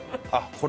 あっ！